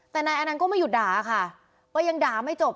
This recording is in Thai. แต่นายอนันต์ก็ไม่หยุดด่าค่ะก็ยังด่าไม่จบ